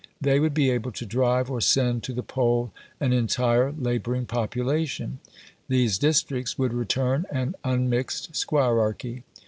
They would be able to drive or send to the poll an entire labouring population. These districts would return an unmixed squirearchy.